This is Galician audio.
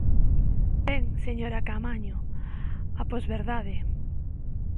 Ben, señora Caamaño, a posverdade.